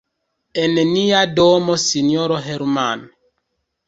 En nia domo, sinjoro Hermann.